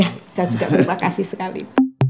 saya juga terima kasih sekali